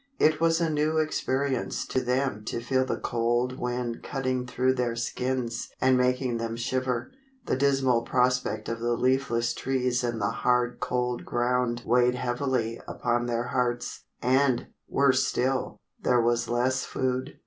It was a new experience to them to feel the cold wind cutting through their skins and making them shiver. The dismal prospect of the leafless trees and the hard cold ground weighed heavily upon their hearts, and, worse still, there was less food.